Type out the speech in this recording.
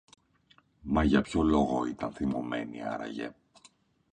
Μα για ποιο λόγο ήταν θυμωμένη άραγε;